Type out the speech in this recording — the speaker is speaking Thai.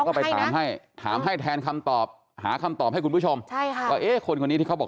ก็ไปถามให้ถามให้แทนคำตอบหาคำตอบให้คุณผู้ชมใช่ค่ะว่าเอ๊ะคนคนนี้ที่เขาบอก